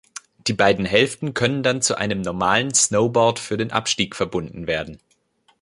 Die beiden Hälften können dann zu einem normalen Snowboard für den Abstieg verbunden werden.